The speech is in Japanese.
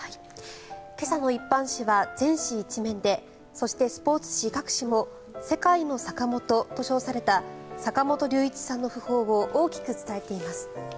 今朝の一般紙は全紙１面でそしてスポーツ紙各紙も「世界のサカモト」と称された坂本龍一さんの訃報を大きく伝えています。